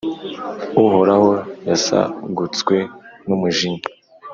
Uhoraho yasagutswe n’umujinya,